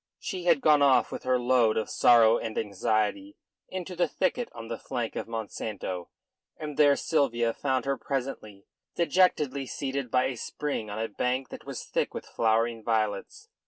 She had gone off with her load of sorrow and anxiety into the thicket on the flank of Monsanto, and there Sylvia found her presently, dejectedly seated by a spring on a bank that was thick with flowering violets.